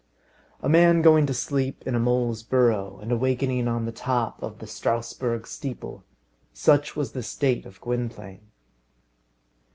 A man going to sleep in a mole's burrow, and awaking on the top of the Strasbourg steeple; such was the state of Gwynplaine.